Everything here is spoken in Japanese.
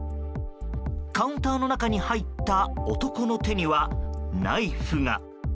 カウンターの中に入った男の手には、ナイフが。